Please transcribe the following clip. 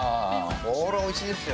これはおいしいですよ。